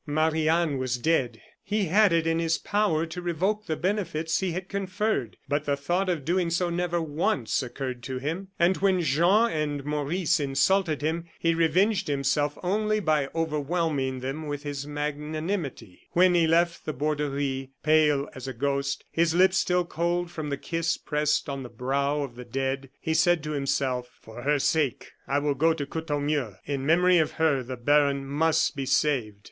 Marie Anne was dead; he had it in his power to revoke the benefits he had conferred, but the thought of doing so never once occurred to him. And when Jean and Maurice insulted him, he revenged himself only by overwhelming them by his magnanimity. When he left the Borderie, pale as a ghost, his lips still cold from the kiss pressed on the brow of the dead, he said to himself: "For her sake, I will go to Courtornieu. In memory of her, the baron must be saved."